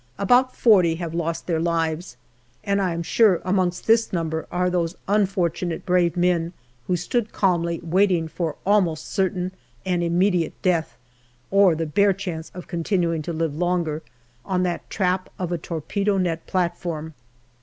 About forty have lost their lives, and I feel sure amongst this number are those un fortunate brave men who stood calmly waiting for almost certain and immediate death, or the bare chance of con tinuing to live longer, on that trap of a torpedo net platform.